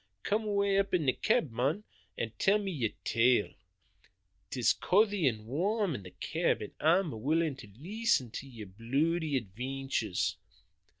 Come awa' up into the cab, mon, an' tell us yer tale. 'Tis couthy an' warm in the cab, an' I'm willin' to leesten to yer bluidy advaintures."